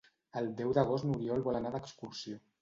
El deu d'agost n'Oriol vol anar d'excursió.